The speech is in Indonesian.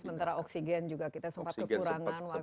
sementara oksigen juga kita sempat kekurangan waktu